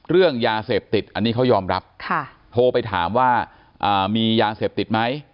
เรื่องยาเสพติดอันนี้เขายอมรับโทรไปถามว่ามียาเสพติดไหม